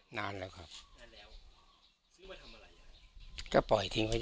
ให้ใครทำประโยชน์ต่อไหม